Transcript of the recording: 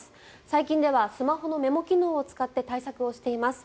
最近ではスマホのメモ機能を使って対策をしています。